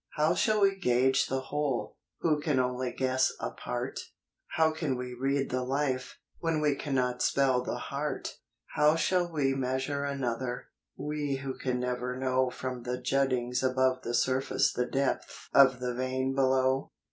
How shall we gauge the whole, who can only guess a part ? How can we read the life, when we cannot spell the heart ? How ,shall we measure another, we who can never know From the juttings above the surface the depth of the vein below